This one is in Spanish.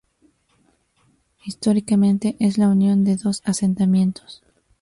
Históricamente, es la unión de dos asentamientos.